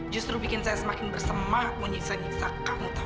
justru bikin saya semakin berseman menyiksa nyiksa kamu tahu